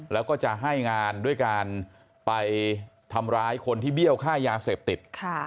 แล้วก็จะให้งานด้วยการไปทำร้ายคนที่เบี้ยวค่ายาเสพติด